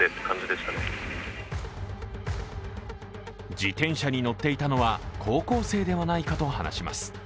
自転車に乗っていたのは高校生ではないかと話します。